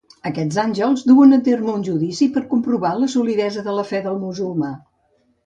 Aquests àngels duen a terme un judici per comprovar la solidesa de la fe del musulmà.